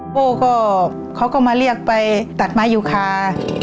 โปเค้าก็มาเรียกไปตัดมายุคา